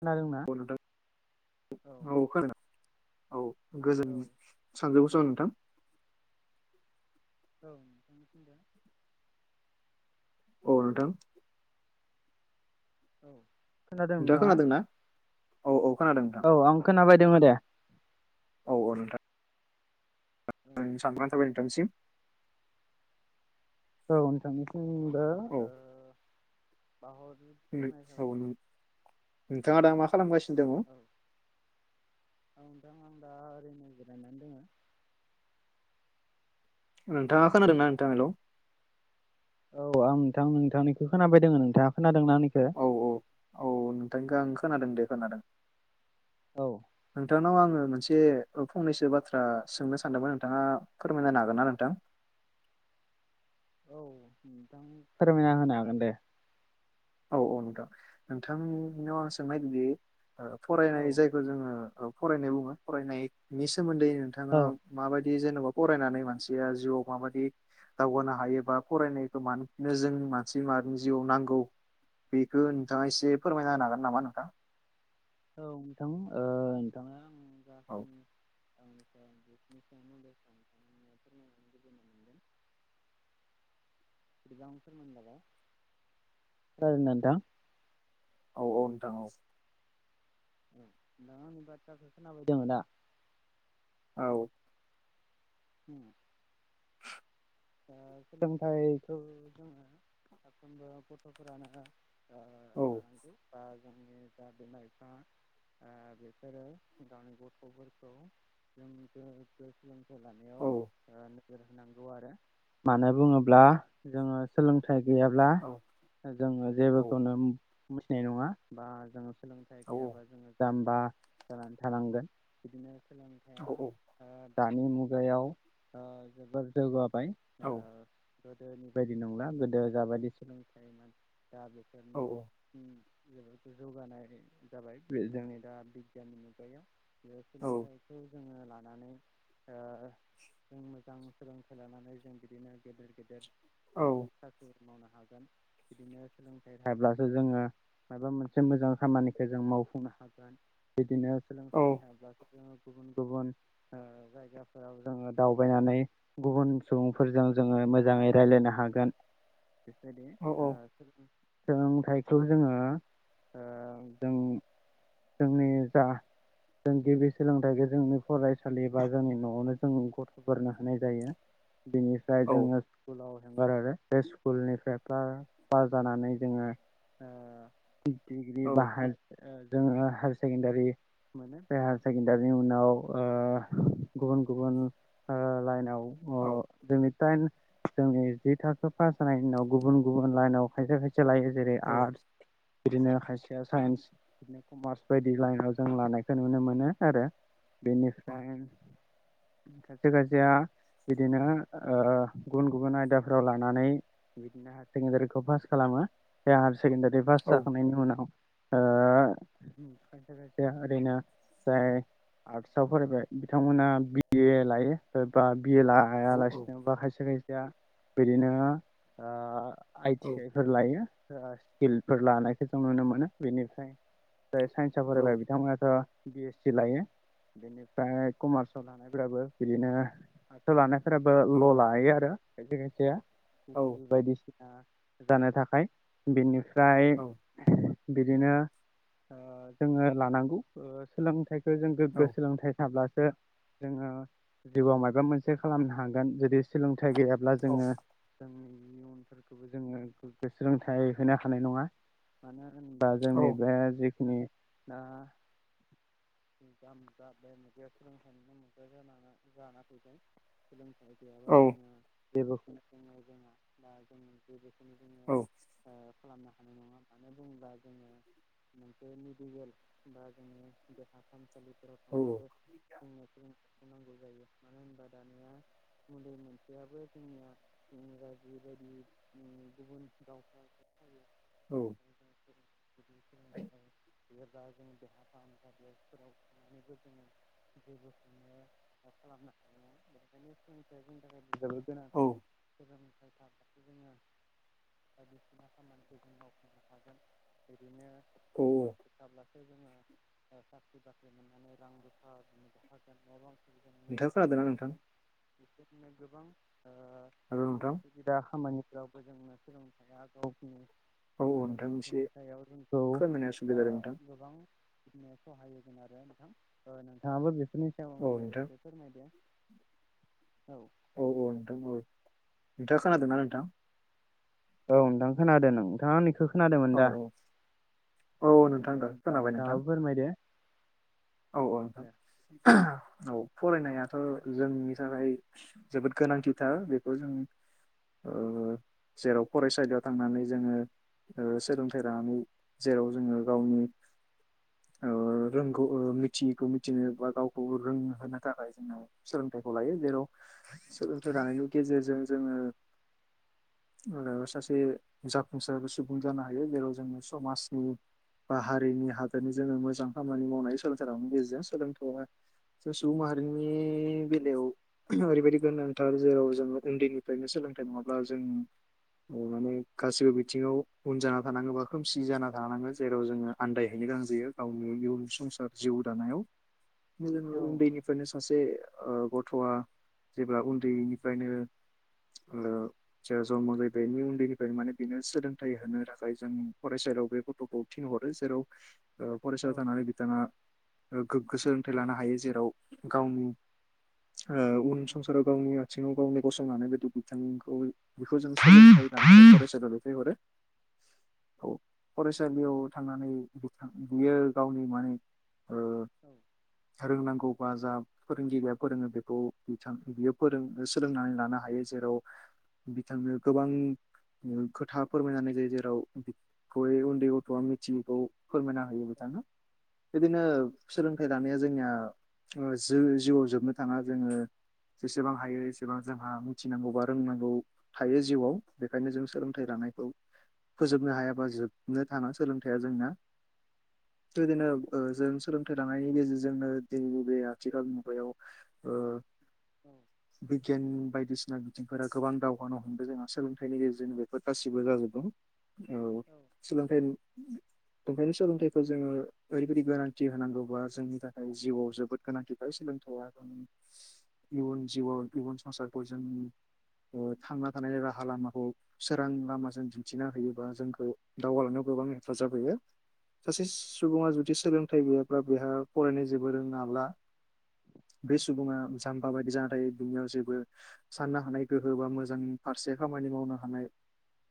खोनादोंंना औ नोंथां औ। औ गोजोन सानजौफु सम नोंथां। औ नोंथांनिसिमबो। अ नोंथां। औ खोनादों नोंथाङा? औ औ खोनादों नोंथां औ आं खोनाबाय दोङो दे। औ औ नोंथां। आंनि साबायखर थाबाय नोंथांनिसिम। औ नोंथांनिसिमबो। औ औ [unintelligible] नोंथाङा दा मा खालामगासिनो? दङ औ औ नोंथां आं दा ओरैनो जिरायनानै दोङो। नोंथाङा खोनादों ना नोंथां हेलौ औ आं नोंथां नोंथांनिखौ खोनाबाय दङो नोंथाङा खोना औ औ औ नोंथांखौ आं खोनादों दे खोनादों। औ। नोंथांनाव आङो मोनसे फंनैसो बाथ्रा सोंनो सानदोंमोन नोंथाङा फोरमायना होनो हागोन ना नोंथां? औ नोंथां फोरमायना होनो हागोन दे। औ औ नोंथां नोंथांनियाव आं सोंनायदोदि ओ औ फरायनाय जायखौ जोङो औ फरायनाय बुङो फरायनायनि सोमोन्दै औ नोंथाङा माबायदि? बि जेनेबा फरायनानै मानसिया जिउआव माबायदि दावगानो हायोबा फरायनायखौ मानो नो जों मानसि माहारिनि जिउआव नांगौ। बेखौ नोंथाङा एसे फोरमायना होनो हागोन नामा नोंथां? औ नोंथां ओ नोंथाङा आं जा औ खिनि [unintelligible] खोनादों ना नोंथां? औ नोंथां औ। [unintelligible] औ। उम [inaudible] ओ सोलोंथाइखौ जोङो साफ्रोमबो गथ'फोरानो। ओ औ हानांगौ जा जोंनि बिमा बिफा बेसोरो गावनि गथ'फोरखौ जों गोग्गो सोलोंथाइ लानायाव। ओ औ नोजोर होनांगौ आरो मानो बुङोब्ला जोङो सोलोंथाइ। गैयाब्ला औ जोङो औ जेबोखौनो मिथिनाय नङा बा जों। सोलोंथाइ औ गैयाबा जोङो जाम्बा जानानै थानांगोन बिदिनो। सोलोंथाइया दानि मुगायाव ओ जोबोर जौगाबाय। ओ औ गोदोनि बायदि नंला गोदो जाबायदि सोलोंथाइ मोन। दा बेथोरनि ओ। जबो जौगानाय जाबाय बे जोंनि दा बिगियाननि मुगायाव। ओ औ सोलोंथाइखौ। लानानै ओ जोङो लानानै जों मोजां सोलोंथाइ लानानै। जों बिदिनो गेदेर गेदेर ओ मावनो हागोन बिदिनो सोलोंथाइ थाब्लासो जोङो माबा मोनसे मोजां खामानिखौ जों माव। मावफुंनो हागोन बिदिनो औ सोलोंथाइ थाब्ला। जोङो गुबुन गुबुन जायगाफोराव जोङो दावबायनानै गुबुन सुबुंफोरजों जोङो मोजाङै रायलायनो हागोन बेफोरबायदि ओ। सोलोंथाइखौ जोङो ओ जों जोंनि जा जों गिबि सोलोंथाइखौ जोंनि फरायसालि बा जोंनि न'आवनो जों गथ'फोरनो होनाय जायो। बिनिफ्राय जोङो स्कुलाव। होंगार आरो बे स्कुलनिफ्राय पास जानानै जोङो। [unintelligible] बाहार जोङो हायार सेकेणडारि मोनो बे हायार सेकेण्डारिनि उनाव ओ गुबुन गुबुन ओ लाइनाव अ जोंनि जोंनि जि थाखसो पास जानाय उनाव गुबुन गुबुन लाइनाव खायसे खायसे। सालायो जेरै आर्टस। बिदिनो खायसेया साइन्स बिदिनो कमार्स बायदि लाइनाव जों लानायखौ नुनो मोनो आरो। बेनिफ्राय खायसे खायसेया बिदिनो। ओ गुबुन गुबुन आयदाफोराव लानानै बिदिनो हायार सेकेण्डारिखौ पास खालामो बे। सेकेणारि पास जाखांनायनि उनाव ओ ओ खायसे खायसे ओरैनो जाय आर्टसाव फरायबाय बिथांमोना बि ए लायो सोरबा बि ए लायालासिनो बा खायसे खायसेया बिदिनो ओ आइ औ टि आइ फोर लायो। आ स्किलफोर लानायखौ जों नुनो मोनो बेनिफ्राय जाय साइन्सआ औ औ फरायबाय बिथांमोनाथ' बि एस सि लायो। बिनिफ्राय कमार्सआव लानायफोराबो बिदिनो आर्टसआव लानायफोराबो औ बो ल' लायो आरो खायसे खायसेया औ बायदि सिना जानो थाखाय बेनिफ्राय औ बिदिनो ओ जोङो लानांगौ ओ सोलोंथाइ खो जों गोग्गो सोलोंथाइ थाब्लासो जोङो जिउआव मायबा मोनसे खालामनो हागोन जुदि सोलोंथाइ गैयाब्ला जोङो जोंनि इयुनफोरखौबो जोङो गोग्गो सोलोंथाइ होनो हानाय नङा मानो होनबा औ जोंनि बे जिखिनि ना [inaudible] [inaudible] औ [inaudible] [inaudible] [inaudible] [inaudible] [inaudible] औ बेनिफ्राय जों [unintelligible] [inaudible] [inaudible] औ [unintelligible] औ [inaudible] [inaudible] मोजां नोंथां खोनादों खालामनो ना नोंथां? हागोन [inaudible] हेल' नोंथां [inaudible] औ [inaudible] औ नोंथां एसे खोनानाय जोंखौ असुबिदा जादों नोंथां ओ गोबां औ नोंथां [inaudible] औ औ औ नोंथां औ नोंथाङा खोनादोंना नोंथां? औ नोंथां खोनादों नों नोंथाङा आंनिखो खोनादोमोन औ दा औ औ नोंथां दे [inaudible] दासो खोनाबाय नोंथां नोंथाङाबो फोरमायदो औ औ नोंथां। औ फरायनायाथ' जोंनि थाखाय जोबोद गोनांथिथार बेखौ जों ओ जेराव फरायसालियाव थांनानै जोङो ओ सोलोंथाइ लानानै जेराव जोङो गावनि ओ रोंगौ [unintelligible] मिथियैखौ मिथिनो बा गावखौ रोंहोनो थाखाय जोङो सोलोंथाइखौ लायो जेराव सोलोंथाइ लानायनि गेजेरजों जोङो [inaudible] ओ सासे जाफुंसार सुबुं जानो हायो जेराव जोङो समाजनि बा हारिनि हादोरनि जोङो मोजां खामानि मावनायनि सोलोंथाइ गेजेजों सोलोंथाया जों सुबुं माहारिनि बेलायाव ओरैबायदि गोनांथार जेराव जों उन्दैनिफ्रायनो सोलों लोंथाय नङाब्ला जों अ माने गासिबो बिथिङाव उन जाना थानाङो बा खोमसि जाना थानाङो जेराव जोङो आन्दायहैनो गोनां जायो गावनि इयुन संसार जिउ दानायाव जोङो औ उन्दैनिफ्रायनो सासे ओ गथ'आ जेब्ला उन्दैनिफ्रायनो ओ जे जन्म जायोबायनि उन्दैनिफ्रायनो माने बेनो सोलोंथाइ होनो थाखाय जों फरायसा जेराव बे गथ'खौ थिनहरो जेराव ओ औ फरायसालियाव औ थांनानै बिथाङा ओ गोग्गो सोलोंथाइ औ लानो हायो जेराव गावनि ओ उन संसाराव गावनि बियाव गावनो गसंनाय बायदि बिथांखौ बेखौ जों सोलोंथाइ लानो थाखाय फरायसालि दैथायहरो [inaudible] औ फरायसालियाव थांनानै बिथां बियो गावनि माने औ रोंनांगौ बा जा फोरोंगिरिया फोरोङो बेखौ बिथां बियो फोर सोलोंनानै लानानै- हायो जेराव बिथांनो गोबां खोथा फोरमायनानै जायो जेराव बेखौ उन्दै गथ'आ मिथियैखौ फोरमायना ह होयो बिथांनो बिदिनो औ सोलोंथाइ लानाया जोंनिया ओ जिउआव जोबनो थाङा जोङो जेसेबां हायो एसेबां जोंहा मिथिनांगौ बा रोंनांगौ थायो जिउआव बे निखायनो जों सोलोंथाइ लानायखौ फोजोबनो हाया बा जोबनो थाङा सोलोंथाइया जोंना बिदिनो जों सोलोंथाइ लानायनि गेजेरजोंनो दिनैनि बे आथिखाल मुगायाव ओ बिगियाननि बाय दिसिना बिथिंफोरा गोबां दावगानो हमदों जोंहा सोलोंथाइनि गेजेरजोंनो बेफोर गासिबो जाजोबदों औ सोलोंथाइ दंखायनो सोलोंथाइखौ जोङो ओरैबायदि गोनांथि होनांगौ बा जोंनि थाखाय जिउआव जोबोद गोनांथि थायो सोलोंथाइया इयुन जिउवाव इयुन संसारखौ जों ओ थांना थानाय राहा लामाखौ सोरां लामाजों दिन्थिना होयो बा जोंखौ दावगालांनायाव गोबां हेफाजाब होयो सासे सुबुङा जु दि सोलोंथाइ गैयाब्ला बेहा फरायनो जेबो रोङाब्ला बे सुबुङा जाम्बा बायदि जाना थायो बिनियाव जेबो साननो हानाय गोहो बा मोजां फारसे खामानि मावनो हानाय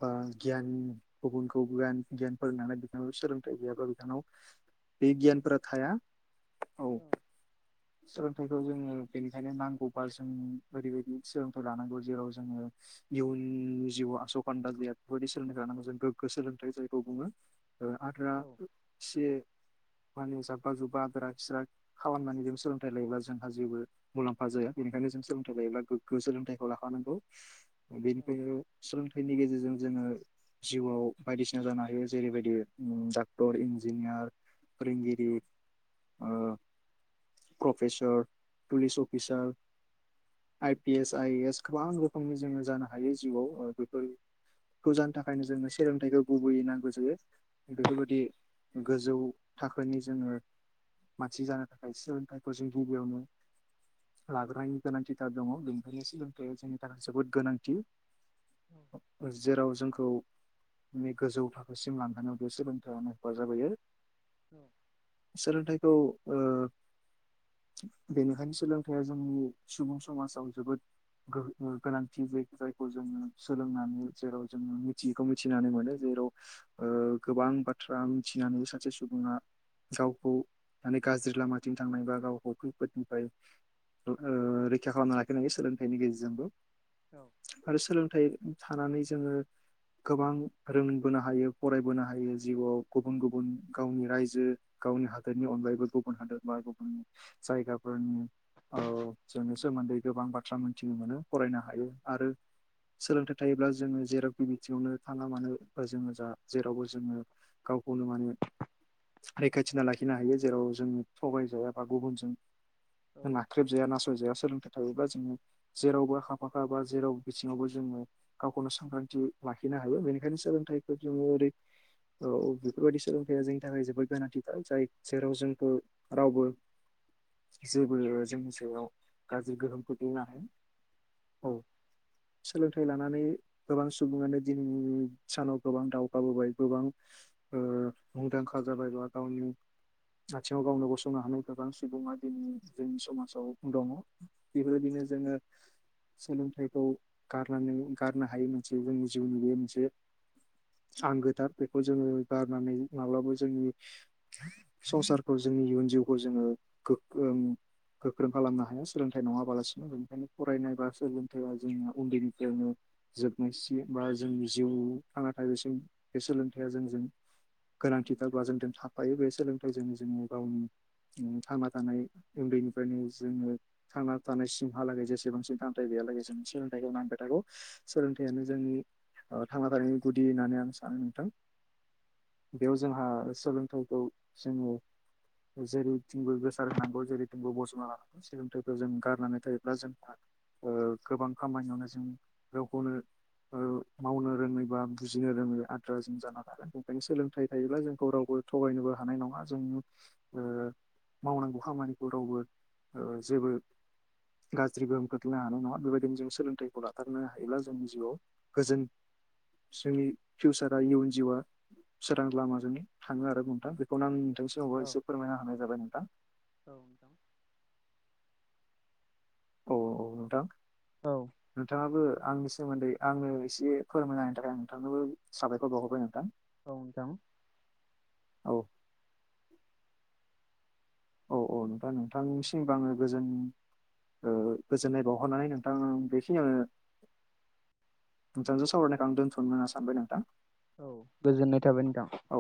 बा गियान गुबुनखौ गियान गियान फोरोंनानै बिथांनाव सोलोंथाइ गैयाबा बिथांनाव बे गियानफोरा थाया औ सो [inaudible] [inaudible] ओ आद्रा एसे माने जाब्बा जुब्बा आद्रा खिस्रा खालामनानै जों सोलोंथाइ लायोब्ला जोंहा जेबो मुलाम्फा जाया बेनिखायनो सोलोंथाइ लायोब्ला गोग्गो सोलोंथाइखौ लाखानांगौ बेनिखायनो सोलोंथाइनि गेजेर जों जोङो जिउवाव बायदिसिना जानो हायो जेरैबायदि डाक्टर इन्जिनियार फोरोंगिरि ओ professor police officer I P S I A S गोबां रोखोमनि जोङो जानो हायो जिउआव ओ बेफोर खौ जानो थाखायनो जोंनो सोलोंथाइखौ गुबैयै नांगौ जायो बेफोरबायदि गोजौ थाखोनि जोङो मानसि जानो थाखाय सोलोंथाइखौ जों गुबैयावनो लाग्रोनायनि गोनांथिथार दङ बेनिखायनो सोलोंथाइया जोंनि थाखाय जोबोद गोनांथि जेराव जोंखौ माने गोजौ थाखोसिम लांहोनायाव बे सोलोंथाइयानो हेफाजाब होयो सोलोंथाइखौ ओ बेनिखायनो सोलोंथाइया जोंनि सुबुं समाजाव जोबोद गो गोनांथि राव ओ गोबां बाथ्रा मिथिनानैबो सासे सु गावखौ माने गाज्रि लामाथिं थांनाय बा गावखौ खैफोदनिफ्राय ओ रैखा खालामना लाखिनो हायो सोलोंथाइनि गेजेरजोंबो आरो सोलोंथाइ थानानै जोङो गोबां रोंबोनो हायो फरायबोनो हायो जिउआव गुबुन गुबुन गावनि रायजो गावनि हादोरनि अनगायैबो गुबुन हादोर बा गुबुन जायगाफोरनि जोंनि सोमोन्दै गोबां बाथ्रा मोनथिनो मोनो फरायनो हायो आरो सोलोंथाइ थायोब्ला जोङो जेरावखि बिथिङावनो थाङा मानो जोङो जा जेरावबो जोङो गाव खौनो माने रैखाथि होना लाखिनो हायो जेराव जोङो थगायजाया बा गुबुनजों नाख्रेब जाया नासय जाया सोलोंथाइ थायोबा जोङो जेरावबो आखा फाखा बा जेराव बिथिङावबो जोङो गावखौनो सांग्रांथि लाखिनो हायो बेनिखायनो सोलोंथाइखौ जिउवाव ओरै औ बेफोरबायदि सोलोंथाइ या जोंनि थाखाय जोबोद गोनांथिथार जाय जेराव जोंखौ रावबो जेबो जोंनि जिउआव गाज्रि गोहोम खोख्लैनो हायाखै। औ सोलोंथायनि। सोलोंथायखौ लानानै गोबां सुबुङानो दिनैनि सानाव गोबां दावगाबोबाय गोबां। मुंदांखा जाबाय गाव गावनि। आथिंङाव गावनो गसंनो हानाय गोबां सुबुंङा दिनै जोंनि समाजाव दङ बेफोरबायदि। जोंङो। सोलोंथाइखौ गारनानै गारनो हायै मोनसे जोंनि जिउनि बेयो मोनसे। आंगोथार बेखौ जोंङो गारनानै। माब्लाबा जोंनि संसारखौ जोंनि इयुन जिउखौ जोंङो। गोख्रों खालामनो हाया सोलोंथाइ नङाबालासिनो बेनिखायनो फरायनाय बा सोलोंथाया जोंनिया उन्दैनिफ्रायनो। जोबनायसिम बा जोंनि जिउ थांना थानायसिम बे सोलोंथाइया जोंजों। [inaudible] गोनांथिफोरब्ला जों थाफायो बे सोलोंथाइजोंनो जोंङो गावनि थांना थानाय उन्दैनिफ्राय। जोंङो थांना थानाय सिमहालागै जेसेबांसिम सोलोंथाइ गैयालागै जों सोलोंथाइखौ नांबाय थागौ। सोलोंथाइयानो जोंनि थांना थानायनि गुदि होननानै आं सानो नोंथां। [inaudible] बेयाव जोंहा सोलोंथाइखौ जोंङो। जेरैथिंबो गोसार होनांगौ जेरैथिंबो बोजना लानांगौ सोलोंथाइखौ जों गारनानै थायोब्ला जोंहा। गोबां खामानियावनो जों गावखौनो। मावनो रोंङै बा बुजिनो रोंङै आद्रा जों जाना थागोन बेंखायनो सोलों। फिथाय थायोब्ला जोंखौ रावबो थगायनोबो हानाय नङा जों। मावनांगौ खामानिखौ रावबो जेबो। गाज्रि गोहोम खोख्लैनो हानाय नङा बेबायदिनो जों सोलोंथाइखौ लाथारनो हायोब्ला जोंनि जिउआव गोजोन। जोंनि फिउचारा इयुन जिउआ सोरां लामाजोंनो थांङो आरो नोंथां बेखौनो आं। नोंथांनिसिमबो एसे फोरमायना होनाय जाबाय नोंथां। नोंथां औ औ नोंथां औ नोंथांङाबो। आंनि सोमोन्दै आंनो एसे फोरमायनायनि थाखाय आं नोंथांनोबो साबायखर बावहरबाय नोंथां। औ नोंथां। औ। औ औ नोंथां नोंथांनिसिमबो आंङो गोजोन। गोजोननाय बावहरनानै नोंथां बेखिनियावनो। नोंथांजों सावरायनायखौ आं दोन्थनो होनना सानबाय नोंथां। औ गोजोननाय थाबाय नोंथां। औ